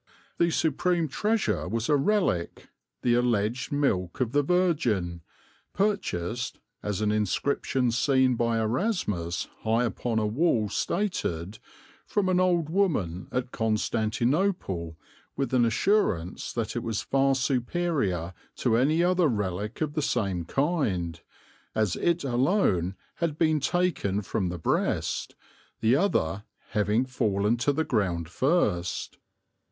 The supreme treasure was a relic, the alleged milk of the Virgin, purchased, as an inscription seen by Erasmus high upon a wall stated, from an old woman at Constantinople with an assurance that it was far superior to any other relic of the same kind, as it alone had been taken from the breast, the other having fallen to the ground first.